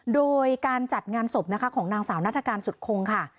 โดยการจัดงานศพนะคะของนางสาวนัฐกาลสุดคงค่ะ